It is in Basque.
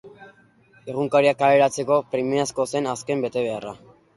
Egunkaria kaleratzeko premiazko zen azken betebeharra.